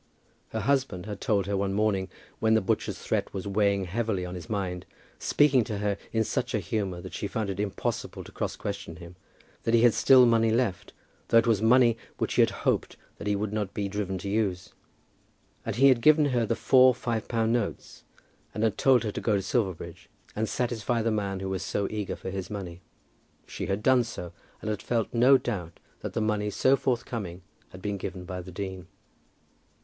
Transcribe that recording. Her husband had told her one morning, when the butcher's threat was weighing heavily on his mind, speaking to her in such a humour that she found it impossible to cross question him, that he had still money left, though it was money which he had hoped that he would not be driven to use; and he had given her the four five pound notes, and had told her to go to Silverbridge and satisfy the man who was so eager for his money. She had done so, and had felt no doubt that the money so forthcoming had been given by the dean.